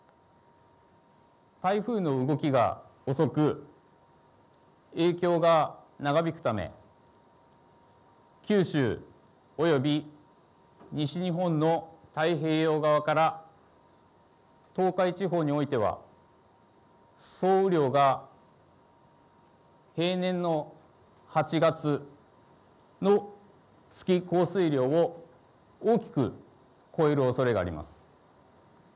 台風の動きが遅く影響が長引くため、九州、および西日本の太平洋側から東海地方においては総雨量が平年の８月の月降水量を大きく超えるおそれがあります。